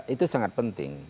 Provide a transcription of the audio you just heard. itu sangat penting